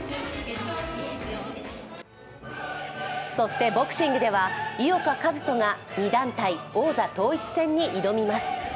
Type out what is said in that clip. そしてボクシングでは井岡一翔が２団体・王座統一戦に挑みます。